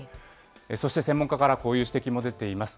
そして専門家からこういう指摘も出ています。